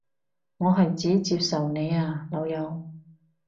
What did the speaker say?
我係指接受你啊老友